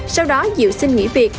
sau đó diệu xin nghỉ việc